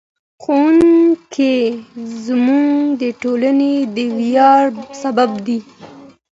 ښوونکي زموږ د ټولنې د ویاړ سبب دي.